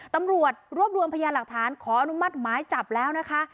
ตำรวจรวบรวมพยานหลักฐานขออนุมัติหมายจับแล้วนะคะ